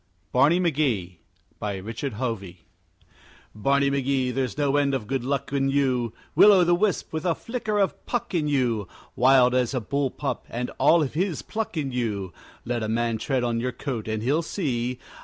BARNEY MCGEE BY RICHARD HOVEY Barney McGee, there's no end of good luck in you, Will o' the wisp, with a flicker of Puck in you, Wild as a bull pup, and all of his pluck in you Let a man tread on your coat and he'll see!